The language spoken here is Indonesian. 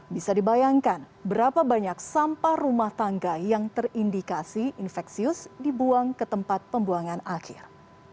bisa dibayangkan berapa banyak sampah rumah tangga yang terindikasi infeksius dibuang ke tempat pembuangan akhir